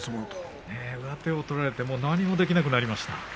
上手を取られて何もできなくなりました。